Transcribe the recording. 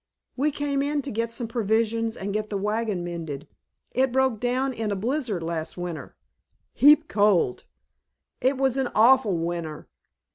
"We came in to get some provisions and get the wagon mended. It broke down in a blizzard last winter." "Heap cold." "It was an awful winter.